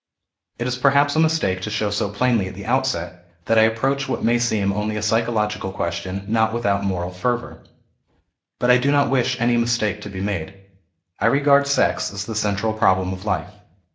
It is perhaps a mistake to show so plainly at the outset that I approach what may seem only a psychological question not without moral fervour. But I do not wish any mistake to be made. I regard sex as the central problem of life.